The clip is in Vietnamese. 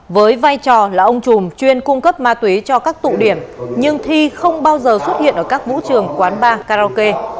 với vai trò là ông chùm chuyên cung cấp ma túy cho các tụ điểm nhưng thi không bao giờ xuất hiện ở các vũ trường quán bar karaoke